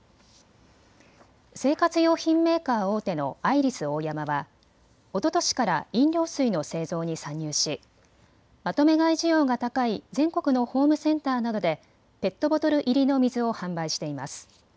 生活用品メーカー大手のアイリスオーヤマはおととしから飲料水の製造に参入しまとめ買い需要が高い全国のホームセンターなどでペットボトル入りの水を販売しています。